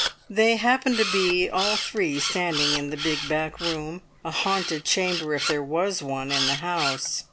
They happened to be all three standing in the big back room, a haunted chamber if there was one in the house.